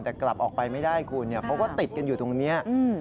แต่กลับออกไปไม่ได้คุณเขาก็ติดกันอยู่ตรงนี้